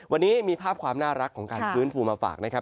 วันนี้มีภาพความน่ารักของการฟื้นฟูมาฝากนะครับ